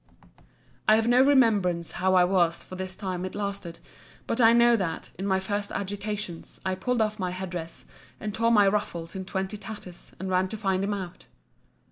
I have no remembrance how I was for this time it lasted: but I know that, in my first agitations, I pulled off my head dress, and tore my ruffles in twenty tatters, and ran to find him out.